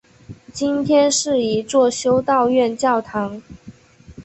今天是一座修道院教堂。